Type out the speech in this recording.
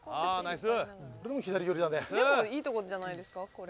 でもいいとこじゃないですかこれ。